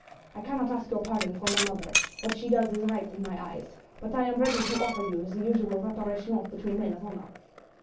I cannot ask your pardon for my mother; what she does is right in my eyes. But I am ready to offer you the usual reparation between men of honour."